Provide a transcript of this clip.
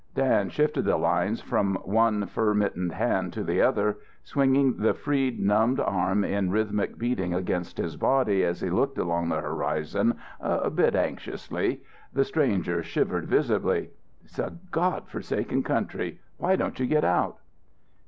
Dan shifted the lines from one fur mittened hand to the other, swinging the freed numbed arm in rhythmic beating against his body as he looked along the horizon a bit anxiously. The stranger shivered visibly. "It's a god forsaken country. Why don't you get out?"